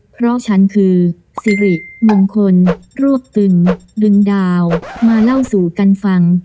เพราะฉันคือสิริมงคลรวบตึงดึงดาวมาเล่าสู่กันฟัง